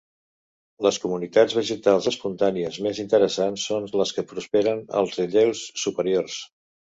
Les comunitats vegetals espontànies més interessants són les que prosperen als relleus superiors.